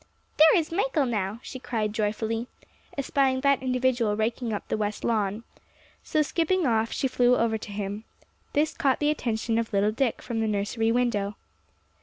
"There is Michael now," she cried joyfully, espying that individual raking up the west lawn. So skipping off, she flew over to him. This caught the attention of little Dick from the nursery window.